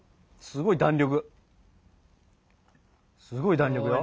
すごい弾力よ。